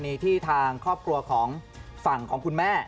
มีที่ทางครอบครัวของฝั่งของคุณแม่